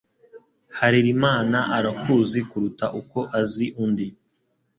Harerimana arakuzi kuruta uko azi undi